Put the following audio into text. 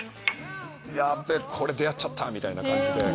ヤベェこれ出会っちゃった！みたいな感じで。